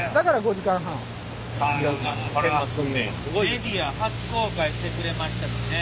メディア初公開してくれましたしね